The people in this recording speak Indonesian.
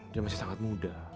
dia masih sangat muda